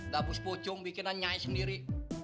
dabus pocong bikinannya sendiri